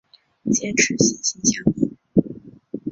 坚持心心相印。